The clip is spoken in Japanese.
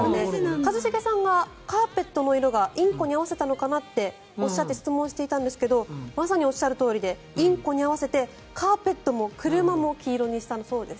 一茂さんがカーペットの色がインコに合わせたのかな？っておっしゃって質問していたんですがまさにおっしゃるとおりでインコに合わせてカーペットも車も黄色にしたそうです。